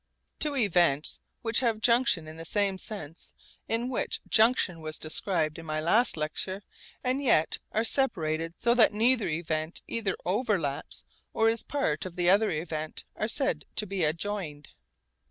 Two events which have 'junction' in the sense in which junction was described in my last lecture, and yet are separated so that neither event either overlaps or is part of the other event, are said to be 'adjoined.'